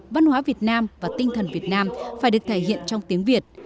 văn hóa việt nam và tinh thần việt nam phải được thể hiện trong tiếng việt